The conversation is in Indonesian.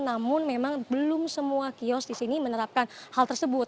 namun memang belum semua kios di sini menerapkan hal tersebut